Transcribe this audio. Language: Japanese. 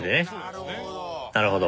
なるほど。